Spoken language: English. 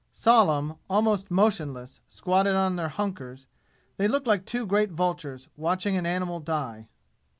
Solemn, almost motionless, squatted on their hunkers, they looked like two great vultures watching an animal die.